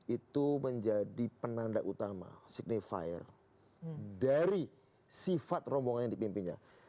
itu menjadi penanda utama signifire dari sifat rombongan yang dipimpinnya